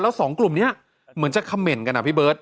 แล้ว๒กลุ่มเนี่ยเหมือนจะคำเม่นกันนะพี่เบิร์ต